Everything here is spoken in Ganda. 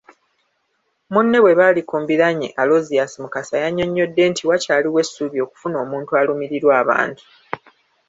Munne bwe bali ku mbiranye Aloysious Mukasa yannyonnyodde nti wakyaliwo essuubi okufuna omuntu alumirirwa abantu.